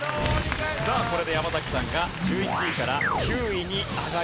さあこれで山崎さんが１１位から９位に上がります。